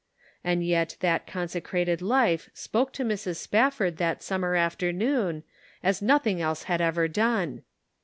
And yet that con secrated life spoke to Mrs. Spafford that sum mer afternoon as nothing else had ever done.